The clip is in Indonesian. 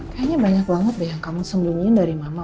kayaknya banyak banget deh yang kamu sembunyiin dari mama